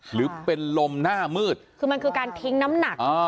หรือเป็นลมหน้ามืดคือมันคือการทิ้งน้ำหนัก